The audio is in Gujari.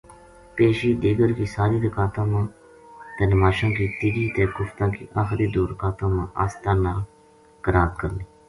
پیشی، دیگر کی ساری رکاتاں ما تے نماشاں کی تیجی تے کفتاں کی آخری دو رکاتاں ما آہستہ نال قرات کرنی۔